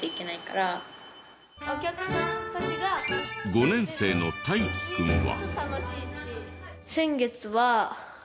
５年生の大輝君は。